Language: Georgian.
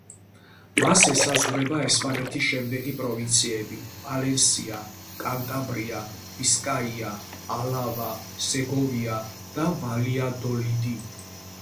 მას ესაზღვრება ესპანეთის შემდეგი პროვინციები: პალენსია, კანტაბრია, ბისკაია, ალავა, სეგოვია და ვალიადოლიდი.